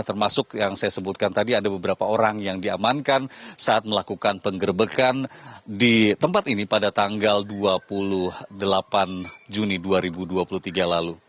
termasuk yang saya sebutkan tadi ada beberapa orang yang diamankan saat melakukan penggerbekan di tempat ini pada tanggal dua puluh delapan juni dua ribu dua puluh tiga lalu